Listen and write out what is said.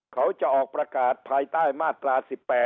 เขาจะออกประกาศภายใต้มาตรา๑๘